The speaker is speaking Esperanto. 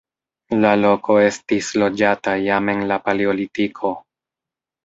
La loko estis loĝata jam en la paleolitiko.